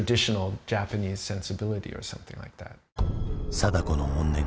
貞子の怨念。